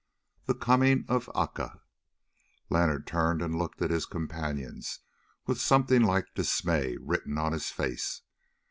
THE COMING OF ACA Leonard turned and looked at his companions with something like dismay written on his face.